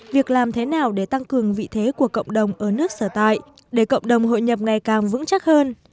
việc làm thế nào để tăng cường vị thế của cộng đồng ở nước sở tại để cộng đồng hội nhập ngày càng vững chắc hơn